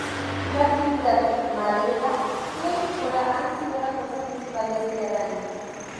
La actividad maderera y agrícola han sido la causa principal de este daño.